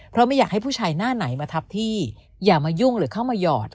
เพราะไม่อยากให้ผู้ชายหน้าไหนมาทับพี่อย่ามายุ่งหรือเข้ามาหยอด